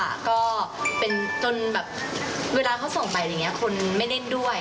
ก็เป็นจนแบบเวลาเขาส่งไปอะไรอย่างนี้คนไม่เล่นด้วย